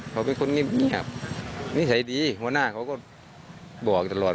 เขาเป็นคนเงียบนิสัยดีหัวหน้าเขาก็บอกตลอด